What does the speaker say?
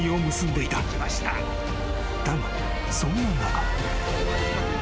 ［だがそんな中］